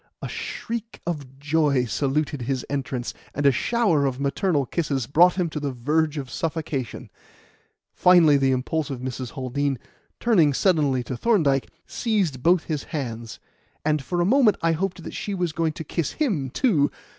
A shriek of joy saluted his entrance, and a shower of maternal kisses brought him to the verge of suffocation. Finally, the impulsive Mrs. Haldean, turning suddenly to Thorndyke, seized both his hands, and for a moment I hoped that she was going to kiss him, too.